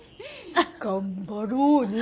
頑張ろうね。